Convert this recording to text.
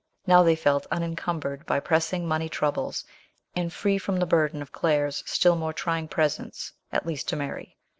Now they felt unencumbered by pressing money troubles, and free from the burden of Claire's still more trying presence, at least to Mary.